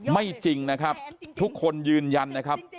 ไม่จริงนะครับทุกคนยืนยันนะครับ